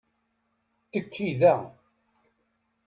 Tekki da.